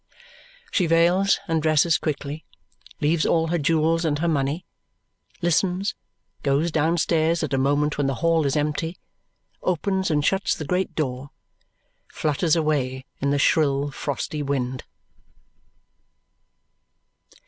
She veils and dresses quickly, leaves all her jewels and her money, listens, goes downstairs at a moment when the hall is empty, opens and shuts the great door, flutters away in the shrill frosty wind.